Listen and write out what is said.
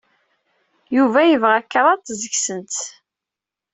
Yuba yebɣa kraḍt seg-sent.